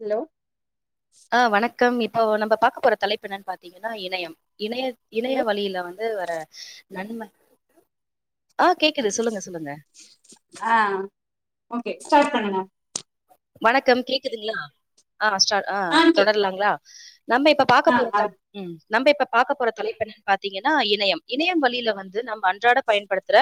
Hello ஆ வணக்கம் இப் இப்போ நம்ம பாக்க போற தலைப்பு என்னன்னு பாத்தீங்கன்னா இணையம் இணைய- இணைய ஹலோ வழியில வந்து வர நன்ம ஆ, கேக்குது சொல்லுங்க சொல்லுங்க ஆ ஓகே ஸ்டார்ட் பண்ணுங்க வணக்கம் கேக்குதுங்களா? ஆ ஸ்டார் ஆ தொடரலாங்களா நம்ம இப்ப பாக்கப் போற ஆ தல் ம் நம்ப இப்ப பாக்கப் போற தலைப்பு என்னன்னு பாத்தீங்கன்னா இணையம். இணையம் வழியில வந்து நம்ம அன்றாட பயன்படுத்துற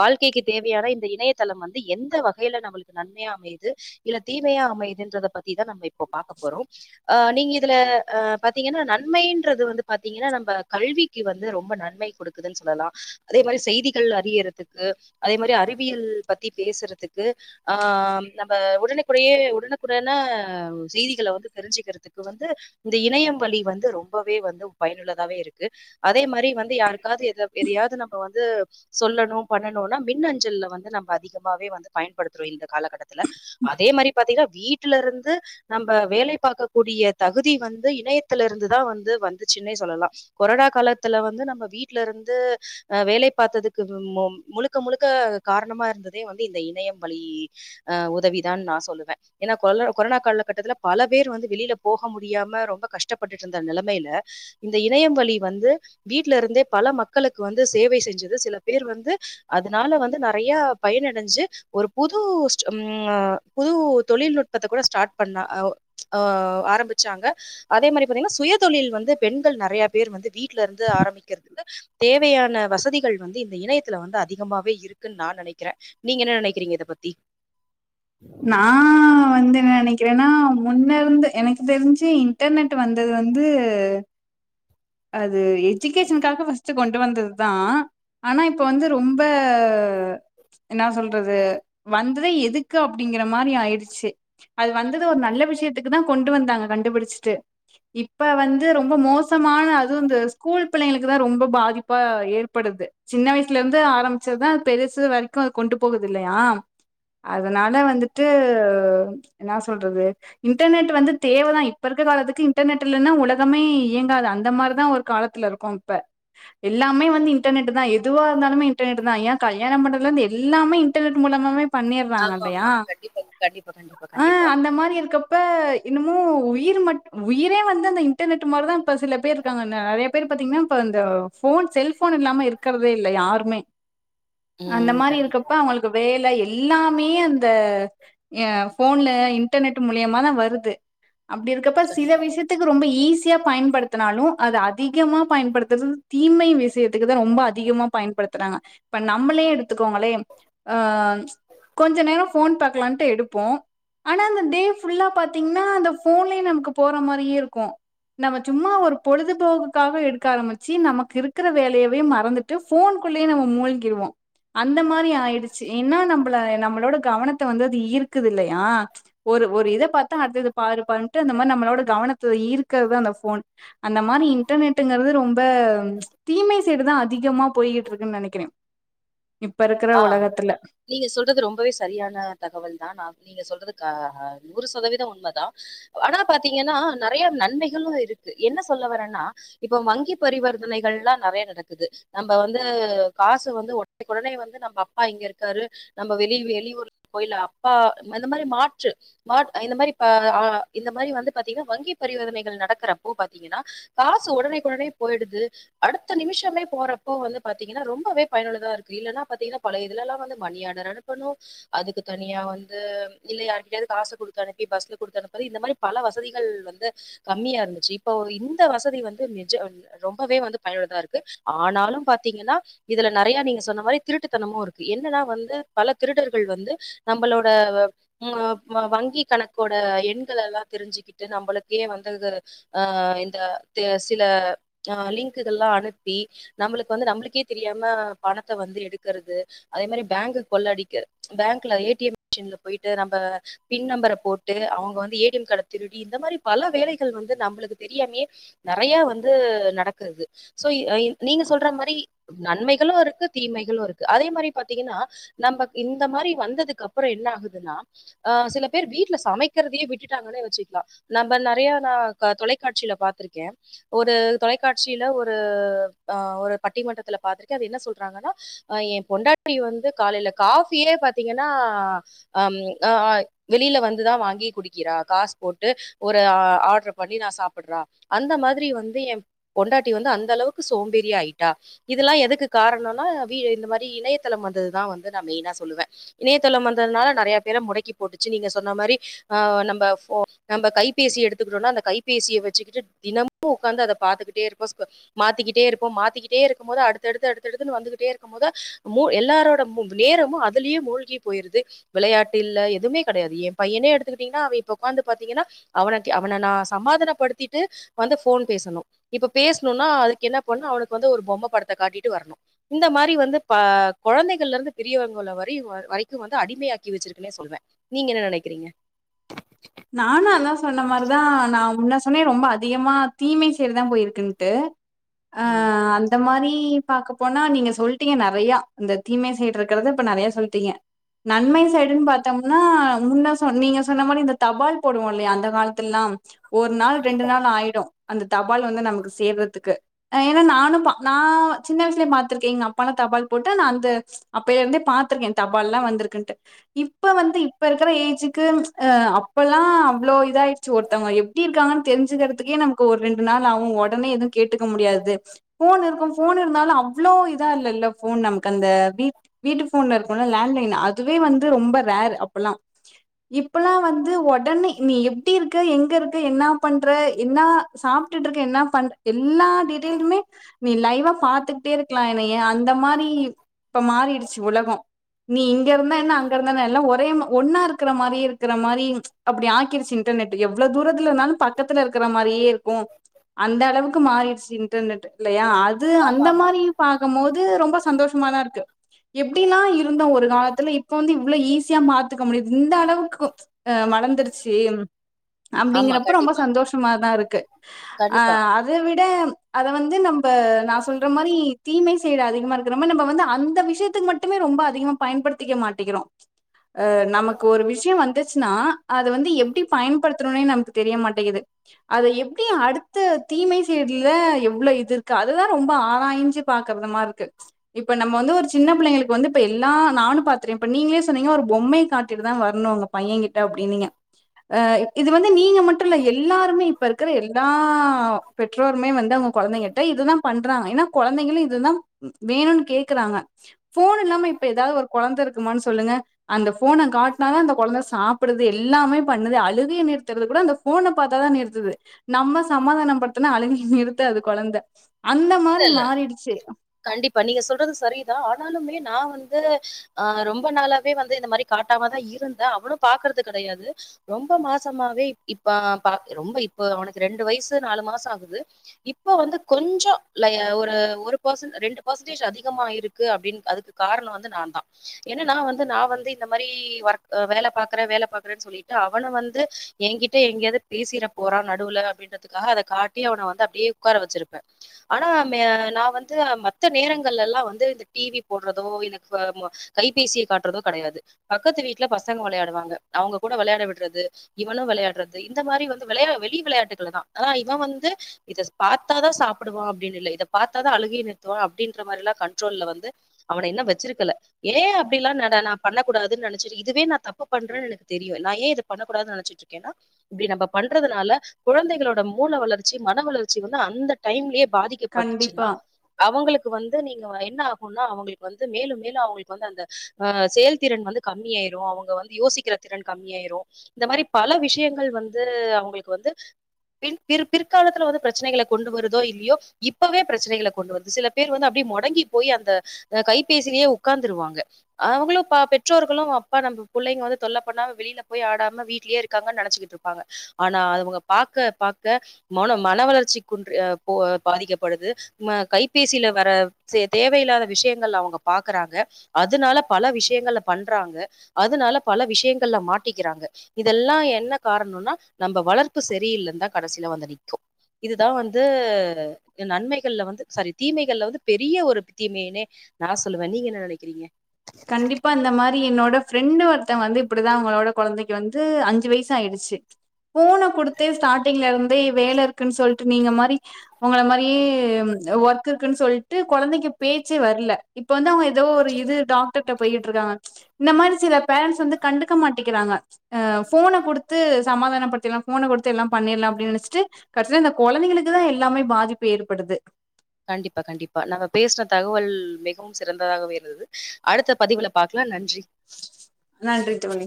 வாழ்க்கைக்குத் தேவையான இந்த இணையதளம் வந்து எந்த வகையில நம்மளுக்கு நன்மையா அமயுது இல்ல தீமையா அமையதுன்றதை பத்திதான் நம்ம இப்போ பாக்கப் போறோம். ஆ, நீங்க இதுல ஆ பாத்தீங்கன்னா நன்மைன்றது வந்து பாத்தீங்கன்னா நம்ப கல்விக்கு வந்து ரொம்ப நன்மை கொடுக்குதுன்னு சொல்லலாம். அதே மாரி செய்திகள் அறியறதுக்கு. அதே மாரி அறிவியல் பத்தி பேசுறதுக்கு ஆ நம்ப ஓட் உடனுக்கு உடயே- உடனுக்குடன ஒ செய்திகளை வந்து தெரிஞ்சுிக்கிறதுக்கு வந்து இந்த இணையம் வழி வந்து ரொம்பவே வந்து பயனுள்ளதாவே இருக்கு. அதே மாரி வந்து யாருக்காவது எத- எதையாவது நம்ப வந்து சொல்லணும் பண்ணணுன்னா மின் அஞ்சல்ல வந்து நம்ம அதிகமாவே வந்து பயன்படுத்துறோம் இந்த காலகட்டத்துல அதே மாரி பார்த்தீங்கன்னா வீட்டுல இருந்து நம்ம வேலை பார்க்கக் கூடிய தகுதி வந்து இணையத்தில இருந்துதான் வந்து- வந்துச்சின்னே சொல்லலாம். கொரோனா காலத்துல வந்து நம்ம வீட்ல இருந்து ஆஹ் வேலை பார்த்ததுக்கு முழுக்க முழுக்க காரணமா இருந்ததே வந்து இந்த இணையம் வழி. ஆஹ் உதவி தான் நான் சொல்லுவேன். ஏன்னா கொரோனா- கொரோனா காலகட்டத்துல பல பேர் வந்து வெளியில போக முடியாம ரொம்ப கஷ்டப்பட்டுட்டு இருந்த நெலமையில, இந்த இணையம் வழி வந்து வீட்ல இருந்தே பல மக்களுக்கு வந்து சேவை செஞ்சது. சில பேர் வந்து அதனால வந்து நெறைய்ய பயனடைஞ்சு ஒரு புது ஸ்ட ம் ஆ புது தொழில்நுட்பத்த கூட ஸ்டார்ட் பண்ணா ஆ ஆ ஆரம்பிச்சாங்க. அதே மாரி பாத்தீங்கன்னா சுயதொழில் வந்து பெண்கள் நெறைய பேர் வந்து வீட்டுல இருந்து ஆரம்பிக்கிறதுக்கு தேவையான வசதிகள் வந்து இந்த இணையத்துல வந்து அதிகமாவே இருக்குன்னு நான் நெனைக்கிறேன். நீங்க என்ன நெனைக்கிறீங்க இதப் பத்தி? நா வந்து நெனைக் ன்னா முன்ன இருந்து எனக்கு தெரிஞ்சு இன்டர்நெட் வந்தது வந்து அத் ஒரு எஜுகேஷனுக்காக வந் த்துக் கொண்டு வந்ததுதான். ஆனா இப்ப வந்து ரொம்ப என்னா சொல்றது, வந்ததே எதுக்கு அப்படிங்கிற மாரி ஆயிர்ச்சு. அது வந்தது ஒரு நல்ல விஷயத்துக்கு தான் கொண்டு வந்தாங்க கண்டுபிடிச்சிட்டு, இப்ப வந்து ரொம்ப மோசப் சமான அதுவு இந்த ஸ்கூல் பிள்ளைங்களுக்கு தான் ரொம்ப பாதிப்பா ஏற்படுது. சின்ன வயசுல இருந்து ஆரம்பிச்சதுதான் பெருசு வரைக்கும் அது கொண்டு போகுது இல்லையா? அதனாலே வந்துட்டு என்னா சொல்றது இன்டர்நெட் வந்து தேவதான். இப்ப இருக்க காலத்துக்கு இன்டர்நெட் இல்லன்னா உலகமே இயங்காது ஆ அந்த மாரிதான் ஒரு காலத்துல இருக்கோம் இப்ப. எல்லாமே வந்து இன்டர்நெட் தான். எதுவா இருந்தாலுமே இன்டர்நெட் தான் ஏன் கல்யாண மண்டபத்லேந்து எல்லாமே இன்டர்நெட் மூலமாதா இப் பண்ணிடுறாங்க இல்லையா? ஆமாமா. கண்டிப்பா, கண்டிப்பா, கண்டிப்பா, ஆ, கண்டிப்பா. அந்த மாரி இருக்கப்ப இன்னமும் உயிர் மட் உயிரே வந்து அந்த இன்டர்நெட் மாதிரிதா இப்ப சில பேர் இருக்காங்க. நெறைய பேரு பாத்தீங்கன்னா இப்ப இந்த ஃபோன் செல்ஃபோன் இல்லாம இருக்கிறதே இல்ல யாருமே அந்த ம். மாரி கண்டிப்பா, இருக்கப்ப அவங்களுக்கு வேல இ எல்லாமே அந்த எ ஃபோன்ல இன்டர்நெட் மூலியமாதா வருது அப்டி இருக்கப்ப சில கண்டிப்பா. விஷயத்துக்கு ரொம்ப ஈஸ் ரியா பயன்படுத் த்துனாலும் அது அதிகமா பயன்படுத்துறது தீமை விஷயத்துக்குதா ரொம்ப அதிகமா பயன்படுத்துறாங்க. இப்ப நம்பளே எடுத் டுத்துக்கோங்களே ஆ கொஞ்ச நேரம் ஃபோன் பாக்கலான்ட்டு எடுப்போம். ஆனா அந்த டே ஃபுல்லாப் பாத்தீங்கன்னா அந்த ஃபோன்லயே நமக்கு போற மாரியே இருக்கும். நமக் சும்மா ஒரு பொழுதுபோக்குக்காக எடுக்க ஆரம்பிச்சி நமக்கு இருக்கிற வேலயவே மறந்துட்டு ஃபோன்க்குள்ளேயே நம்ம மூழ்கிருவோம். அந்த மாரி ஆயிடுச்சு. ஏன்னா நம்பள- நம்பளோட கவனத்தை வந்து அது ஈர்க்குது இல்லையா ஒரு -ஒரு இதப் பார்த்தா அடுத்தது பாரு பாருன்ட்டு அந்த மாரி நம்மளோட கவனத்த ஈர்க்கறதா அந்த ஃபோன் அந்த மாரி இன்டர்நெட்டுங்கிறது ரொம்ப ப்ச் தீமை சைடுதா அதிகமா போய் கிட்டு இருக்குன்னு நெனக்கிறேன். ஆஹ், நீங்க சொல்றது ரொம்பவே சரியான தகவல்தா. நா நீங்க சொல்றது க நூறு சதவீதம் உண்மைதா. ஆனா பாத்தீங்கன்னா நெறைய நன்மைகளும் இருக்கு. என்ன சொல்ல வர்றேன்னா இப்ப வங்கி பரிவர்த்தனைகள் எல்லாம் நெறைய நடக்குது. நம்ப வந்து காசு வந்து உடனுக்குடனே வந்து இது நம்ப அப்பா இங்க இருக்காரு. நம்ம வெளிய்- வெளியூர் கோயில்ல அப்பா அந்த மாதிரி மாற்று மாத் இந்த மாரி ஆஹ் ஆஹ் இந்த மாரி வந்து பாத்தீங்கன்னா வங்கிப் பரிவர்த்தனைகள் நடக்கிறப்போ பாத்தீங்கன்னா காசு உடனேக்குடனே போயிடுது. அடுத்த நிமிஷமே போறப்போ வந்து பாத்தீங்கன்னா ரொம்பவே பயனுள்ளதா இருக்கு இல்லன்னா பாத்தீங்கன்னா பழய இதுல எல்லாம் வந்து மணியாடர் அனுப்பணும், அதுக்குத், தனியா வந்து இல்ல யாருட்டயாது காசு குடுத்து அனுப்பி பஸ்ல குடுத்தனுப்பிறத். இந்த மாரி பல வசதிகள் வந்து கம்மியா இருந்துச்சி. இப்போ இந்த வசதி வந்து நிஜ அஹ் ம் ரொம்பவே வந்து பயனுள்ளதா இருக்கு. ஆனாலும் பாத்தீங்கன்னா இதுல நெறைய நீங்க சொன்ன மாரி திருட்டுத்தனமும் இருக்கு. என்னென்னா வந்து பல திருடர்கள் வந்து நம்பளோட வ ம் வ-வங்கி கணக்கோட எண்கள எல்லாம் தெரிஞ்சுிக்கிட்டு நம்பளுக்கே வந்து த ஆஹ் இந்த தே சில லிங்குகள்ல்லாம் அனுப்பி நம்பளுக்கு வந்து நம்பளுக்கே தெரியாம பணத்தை வந்து எடு க்கிறது அதே மாரி பேங்கு கொள்ளயடிக் பேங்க்ல ஏ டி எம் மிஷின்ல போயிட்டு நம்ம பின் நம்பரை போட்டு அவங்க வந்து ஏடிஎம் கார்ட திருடி இந்த மாதிரி பல வேலைகள் வந்து நம்மளுக்கு தெரியாமே நிறைய வந்து நடக்கது சோ நீங்க சொல்ற மாரி நன்மைகளு இருக்கு தீமைகளு இருக்கு அதே மாதிரி பாத்தீங்கன்னா நம்ம இந்த மாரி வந்ததுக்கு அப்புற என்ன ஆகுதுன்னா அஹ் சில பேர் வீட்டுல சமைக்கிறதையே விட்டுட்டாங்கன்னு வச்சிக்கலா நம்ம நிறைய நா தொலைக்காட்சியில பாத்திருக்கே ஒரு தொலைக்காட்சியில ஒரு ஆஹ் ஒரு பட்டிமன்றத்துல பாத்திருக்கே அது என்ன சொல்றாங்கன்னா என் பொண்டாட்டி வந்து காலையில காபியே பார்த்தீங்கன்னா அம் ஆ வெளியில வந்துதா வாங்கி குடிக்கிறா காசு போட்டு ஒரு ஆர்டரு பண்ணி நா சாப்படுற அந்த மாதிரி வந்து என் பொண்டாட்டி வந்து அந்த அளவுக்கு சோம்பேறி ஆயிட்டா இதெல்லா எதுக்கு காரணம்னா இந்த மாதிரி இணையளம் வந்ததுதா நா வந்து மெயினா சொல்லுவே இணையதளம் வந்தனால நிறைய பேர முடக்கி போட்டுச்சி நீங்க சொன்ன மாதிரி நம்ப கைபேசி எடுத்துக்குறோனா அந்த கைபேசிய வச்சுகிட்டு தினமும் உட்கார்ந்து அத பாத்துகிட்டு இருப்போம் மாத்திகிட்டே இருப்போம் மாத்திகிட்டே இருக்கும் போது அடுத்தடுத்து அடுத்தடுத்துனு வந்துகிட்டே இருக்கு எல்லாரோட நேரமும் அதுலய மூழ்கி போயிருது விளையாட்டு இல்ல எதுமே கிடையாது என் பையனே எடுத்துக்கிட்டிங்கனா அவன் இப்ப உக்கார்ந்து பாத்திங்கனா அவன அவன நான் சமாதான படுத்திட்டு வந்து போன் பேசனும் இப்ப பேசணும்னா அதுக்கு என்ன பண்ணனும் அவனுக்கு வந்து ஒரு பொம்மை படத்தை காட்டிட்டு வரணும் இந்த மாதி வந்து குழந்தைகள்ல இருந்து பெரியவங்க வரைக்கும் வந்து அடிமையாக்கி வச்சிருக்கு சொல்லுவன் நீங்க என்ன நினைக்கிறீங்க நானு அதா சொன்ன மாதிரிதா நா உன்ன சொன்னே ரொம்ப அதிகமா தீமை சரிதா போயிருக்குன்ட்டு ம், அஹ் அந்த மாரி நீ பாக்க போனா நீங்க சொல்லிட்டீங்க நிறைய இந்த தீமை சைடு இருக்கறத இப்ப நிறைய சொல்லிட்டீங்க நன்மை ம், சைடுன்னு பார்த்தோங் ஆன முன்ன சொ நீங்க சொன்ன மாதிரி இந்த தபால் போடுவோம் இல்லையா அந்த காலத்துல எல்லாம் ஒரு நாள் கண்டிப்பா ரெண்டு நாள் ஆயிடும் அந்த தபால் வந்து நமக்கு சேர்றதுக்கு ஏன்னா நானும் நா சின்ன வயசுலய பா்த்திருக்கே எங்க அப்பான தபால் போட்டு நா அந்த அப்பையில இருந்தே பா்த்திருக்கே தபால் எல்லாம் வந்திருக்குன்ட்டு இப்ப வந்து இப்ப இருக்கிற ஏஜுக்கு இப்பல்லாம் அவ்வளோ இதாயிருச்சு ஒருத்தவங்க எப்படி இருக்காங்கன்னு தெரிஞ்சுக்கிறதுக்கே நமக்கு ஒரு ரெண்டு நாள் அவும் உடனே எது கேட்டுக்க முடியாது போன் இருக்கும் போன் இருந்தாலு அவ்ளவு இதா இல்ல இல்ல போன் நமக்கு அந்த வீ வீட்டு போன்ல இருக்கும்ல லேண்ட்லைன் அதுவே வந்து ரொம்ப ரேர் அப்பல்லா இப்பல்லாம் வந்து உடனே நீ எப்படி இருக்கு எங்க இருக்கு என்ன பண்ற என்ன சாப்பிட்டுட்டு இருக்க என்ன பண் எல்லா டீடெய்லுமே நீ லைவா பாத்துகிட்டே இருக்கலாம் என்னையா அந்த மாரி இப்ப மாறிடுச்சு உலகம் நீ இங்க இருந்தா என்ன அங்கறந்தா என்ன எல்லாம் ஒரே ஒன்னா இருக்கற மாரி இருக்கற மாரி அப்பிடி ஆக்கிருச்சு இன்டர்நெட் எவ்ளோ தூரத்துல இருந்தாலு பக்கத்துல இருக்கற மாரியே இருக்கு அந்த அளவுக்கு மாறிர்ச்சு இன்டர்நெட் இல்லையா அது ஆமா அந்த ஆமா. மாரி பார்க்கும் போது ரொம்ப சந்தோஷ தான் இருக்கு எப்படிலாம் இருந்தோம் ஒரு காலத்துல இப்ப வந்து இவ்வளவு ஈஸியா மாத்துக்க முடியது இந்த அளவுக்கு அ வளர்ந்துருச்சு ஆமா. அப்டிங்கிறப்ப ரொம்ப கண்டிப்பா, சந்தோஷமாதா இருக்கு ஆ கண்டிப்பா. அத விட அத வந்து நம் ப்பா நா சொல்ற மாரி தீமை திர அதிகமாருக்கு [unintelligible] நம்ப வந்து அந்த விஷயத்துக்கு மட்டுமே ரொம்ப அதிகமா பயன்படுத்திக்க மாட்டிக்கிறோ அ நமக்கு ஒரு விஷயோ வந்து ச்னா அத வந்து எப்டி பயன்படுத்துணுன்னே நமக்கு தெரிய மாட்டேங்குது அத எப்டி அடுத்த தீமை சைட்ல எவ்ளோ இது இருக்கு அதுதா ரொம்ப ஆராய்ஞ்சி பாக்கறதமாருக்கு இப்ப நம்ம வந்து ஒரு சின்ன பிள்ளைங்களுக்கு வந்து இப்ப எல்லா நானு பாத்துறே இப்ப நீங்களே சொன்னீங்க ஒரு பொம்மையே காட்டிட்டுதா வரணுன்னு பையங்கிட்ட அப்டின்னீங்க அ இது வந்து நீங்க மட்டுல்ல எல்லாருமே இப்ப இருக்கிற எல்லா பெற்றோருமே வந் இத உங்க கொழந்தைங்கக்கிட்ட இதுதா பண் அததா ஏன்னா கொழந்தைங்களு இதுதா வேணுன் கேக்கறாங்க போன் இல்லாம இப்ப ஏதாவது ஒரு கொழந்தருக்குமான் சொல்லுங்க அந்த போன காட்னாதா இந்த கொழந்த சாப்பிடுது எல்லாமே பண்ணுது அழுகைய நிறுத்துறது கூட அந்த போன பாத்தாதா நிறுத்துது நம்ம சமாதானப்படுத்துனா அழுகி நிறுத்தாது கொழந்த அந்த மாரி மாறிடுச்சு [inaudible] கண்டிப்பா நீங்க சொல்றது சரிதா ஆனாலுமே நா வந்து ஆ ரொம்ப நாளாவே வந்து இந்த மாரி காட்டாம தா இருந்தே அவளு பாக்குறது கெடையாது ரொம்ப மாசமாவே இப் பாப்பா ரொம்ப இப்ப அவனுக்கு ரெண்டு வயசு நாலு மாசோ ஆகுது இப்போ வந்து கொஞ்சோ லய ஒரு ஒரு பர்சன்ட் ரெண்டு பர்சன்டேஜ் அதிகமா இருக்கு அப்டின்னு அதுக்கு காரணோ வந்து நா தா ஏன்னா வந்து நா வந்து இந்த மாரி ஒர்க் அ வேல பாக்கற வேல பாக்கறன் சொல்லிட்டு அவள வந்து ஏங்கிட்ட எங்கேயாவது பேசிட போறா நடுவுல அப்டின்றதுக்காக அத காட்டி அவன வந்து அப்டியே உட்கார வச்சிருப்ப ஆனா மே நா வந்து மத்த நேரங்கள்லெல்லா வந்து இந்த டிவி போடுறதோ இப்ப ம்ம கைபேசியே காட்டுறதோ கடையாது பக்கத்து வீட்ல பசங்க வெளையாடுவாங்க அவுங்க கூட வெளையாட விடுறது இவளு வெளையாடுறது இந்த மாரி வந்து வெளையா வெளி வெளையாட்டுகள் தா ஆனா இவ வந்து இத பாத்தாதா சாப்புடுவா அப் இல்லல்ல இத பாத்தா தா அழுகையா நிறுத்துவா அப்டின்ற மாரிலா கண்ட்ரோல்ல வந்து அவனை இன்னு வெச்சிருக்கல ஏன் அப்டில்லா நட [inaudible] நா பண்ண கூடாது நெனச்சிட் இதுவே தப்பு பண்றேன்னு எனக்கு தெரியு நா ஏன் இத பண்ணக்கூடாதுன் நெனச்சிட்ருக்கே நா இப்டி நம்ம பண்றதுனால கொழந்தைகளோட மூள வளர்ச்சி மனவளர்ச்சி அந்த டையம்லே பாதி இங்கே பட்டுச்சுன்னா கண்டிப்பா அவங்களுக்கு வந்து ந்து நீங்க என்ன ஆகுன்னா அவுங்களுக்கு வந்து மேலும் மேலு அவங்களுக்கு வந்து அந்த அ செயல்திறன் வந்து கம்மியாயிரு அவுங்க வந்து யோசிக்கிற திறன் கம்மியாயிரு இந்த மாரி பல விஷயங்கள் வந்து அவங்களுக்கு வந்து பின் பிற் பிறுகாலத்துல வந்து பிரச்சனேகள கொண்டு வருதோ இல்லியோ இப்ப தா பிரச்சனைகள கொண்டுவந்து சில பேர் வந்து அப்டியே மொடங்கி போய் அந்த அ கைபேசிலேயே உக்காந்துருவாங்க அவுங்களு ப பெற்றோர்களு அப்பா நம்போ புள்ளைங்க வந்து தொல்ல பண்ணாம வெளியில போய் ஆடாம வீட்லே இருக்காங்கன்னு நெனச்சக்கிட்டுருப்பாங்க ஆனா அவுங்க பாக்க பாக்க மனோ மன வளர்ச்சிக்குண்ட்ரி அ போ பாதிக்கப்படுது ம் அ கைபேசில்ல வர சே தேவையில்லாத விஷயங்கள்லா அவுங்க பாக்கறாங்க அதனால பல விஷயங்கள்ல பண்றாங்க அதனால பல விஷயங்கள்ல மாட்டிக்கிறாங்க இதெல்லா என்ன காரணோன்னா நம்ப வளர்ப்பு சரியில்லன்தா கடசில வந்து நிக்கு இதுதா வந்து [unintelligible] நன்மைகள்ல வந்து சாரி தீமைகள்ல வந்து பெரிய ஒரு தீமையனே நா சொல்லுவே நீங்க என்ன நெனைக்கிறீங்க கண்டிப்பா இந்த மாத்ரி என்னோட ஃப்ரெண்ட் வந் ஒருத்தவங்க வந்து இப்டிதா அவங்களோட கொழந்தைக்கு வந்து அஞ்சு வயசு ஆயிடுச்சு போன குடுத்தே ஸ்டார்டிங்ல இருந் வெய் வேலருக்குன் சொல் நீங்க மாரி உங்கள மாரியே ஒர்க் இருக்குன்னு சொல்ட்டு கொழந்தைக்கு பேச்சே வர்ல இப்ப வந்து அவுங்க தோ ஒரு இது தா விட்ருக்காங் இந்த மாரி சில பேரன்ட்ஸ் வந்து கண்டுக்க மாட்டிக்கிறாங்க அ ஃபோனக் குடுத்து சமாதானப்படுத்திர்லா ஃபோன குடுத்து எல்லா பண்ணிர்லா அப்டின்னு [inaudible] கட்சில்ல இந்த கொழந்திங்களுக்கு தா எல்லாமே பாதிப்பு ஏற்படுது கண்டிப்பா கண்டிப்பா நம்ம பேசுன தகவல் மிகவும் சிறந்ததாகவே இருந்தது அடுத்த பதிவுல பார் நன்றி தோழி